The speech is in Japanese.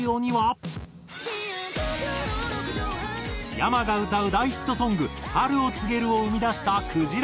ｙａｍａが歌う大ヒットソング『春を告げる』を生み出したくじら。